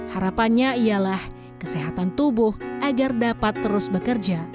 harapannya ialah kesehatan tubuh agar dapat terus bekerja